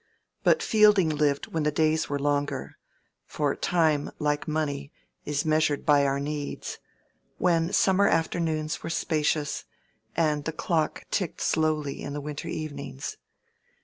But Fielding lived when the days were longer (for time, like money, is measured by our needs), when summer afternoons were spacious, and the clock ticked slowly in the winter evenings.